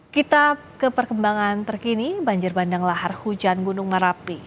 kita ke perkembangan terkini banjir bandang lahar hujan gunung merapi